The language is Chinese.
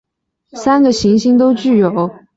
三个行星都具有相当发达的科技。